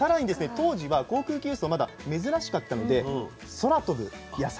当時は航空機輸送まだ珍しかったので「空飛ぶ野菜」。